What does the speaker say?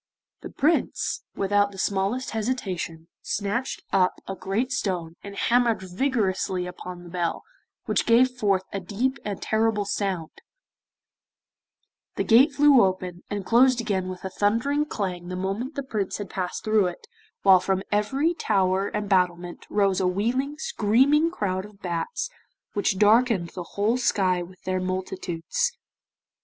The Prince, without the smallest hesitation, snatched up a great stone, and hammered vigorously upon the bell, which gave forth a deep and terrible sound, the gate flew open, and closed again with a thundering clang the moment the Prince had passed through it, while from every tower and battlement rose a wheeling, screaming crowd of bats which darkened the whole sky with their multitudes.